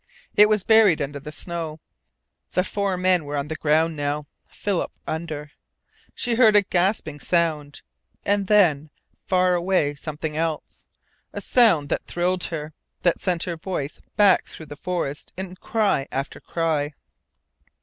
It was buried under the snow. The four men were on the ground now, Philip under. She heard a gasping sound and then, far away, something else: a sound that thrilled her, that sent her voice back through the forest in cry after cry.